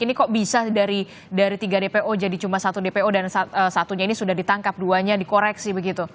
ini kok bisa dari tiga dpo jadi cuma satu dpo dan satunya ini sudah ditangkap dua nya dikoreksi begitu